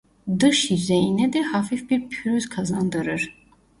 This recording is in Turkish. Dış yüzeyine de hafif bir pürüz kazandırır.